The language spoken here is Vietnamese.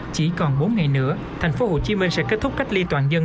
chỉ còn bốn ngày nữa thành phố hồ chí minh sẽ kết thúc cách ly toàn dân